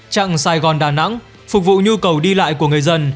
trạng sài gòn đà nẵng phục vụ nhu cầu đi lại của người dân